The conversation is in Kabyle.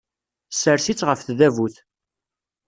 Ssers-itt ɣef tdabut.